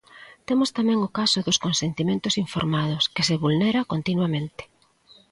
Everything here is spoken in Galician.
Temos tamén o caso dos consentimentos informados que se vulnera continuamente.